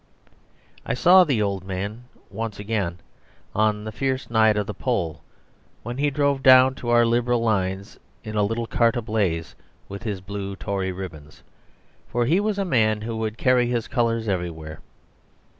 I saw the old man once again on the fierce night of the poll, when he drove down our Liberal lines in a little cart ablaze with the blue Tory ribbons, for he was a man who would carry his colours everywhere.